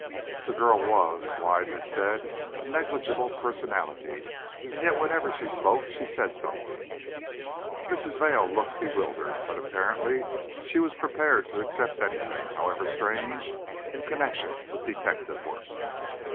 The girl was, Wise had said, a negligible personality, and yet whenever she spoke she said something! Mrs. Vail looked bewildered, but apparently she was prepared to accept anything, however strange, in connection with detective work.